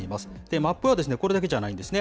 マップはこれだけじゃないんですね。